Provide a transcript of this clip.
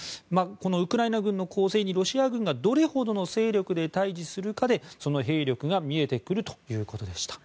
ウクライナ軍の攻勢にロシア軍がどれくらいの勢力で対峙するかで、その兵力が見えてくるということでした。